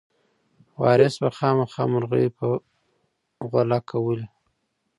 وارث به خامخا مرغۍ په غولکه ولي.